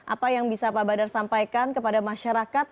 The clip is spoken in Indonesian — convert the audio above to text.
apa yang bisa pak badar sampaikan kepada masyarakat